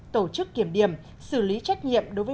tổ chức kiểm điểm xử lý trách nhiệm